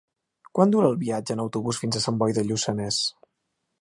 Quant dura el viatge en autobús fins a Sant Boi de Lluçanès?